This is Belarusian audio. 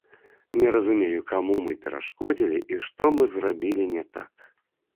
Не разумею, каму мы перашкодзілі і што мы зрабілі не так.